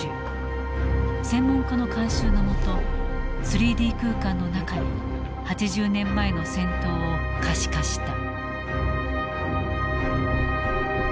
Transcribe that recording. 専門家の監修の下３Ｄ空間の中に８０年前の戦闘を可視化した。